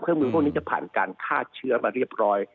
มือพวกนี้จะผ่านการฆ่าเชื้อมาเรียบร้อย